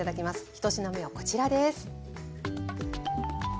１品目はこちらです。